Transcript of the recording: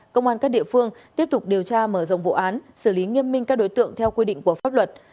công an các địa phương tiếp tục điều tra mở rộng vụ án xử lý nghiêm minh các đối tượng theo quy định của pháp luật